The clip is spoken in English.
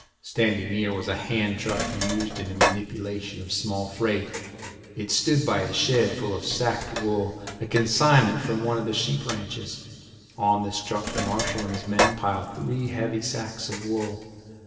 Standing near was a hand truck used in the manipulation of small freight. It stood by a shed full of sacked wool, a consignment from one of the sheep ranches. On this truck the marshal and his men piled three heavy sacks of wool.